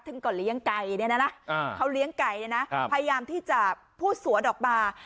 ถึงก่อนเลี้ยงไก่เนี่ยนะพยายามที่จะพูดสวนออกมา